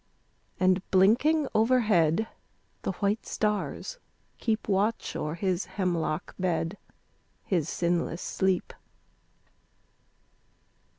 And blinking overhead the white stars keep Watch o'er his hemlock bed his sinless sleep.